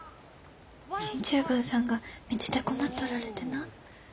進駐軍さんが道で困っとられてな。